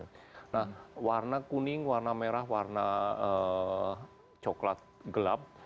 nah warna kuning warna merah warna coklat gelap